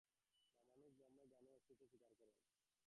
রামানুজ ব্রহ্মে জ্ঞানের অস্তিত্ব স্বীকার করেন।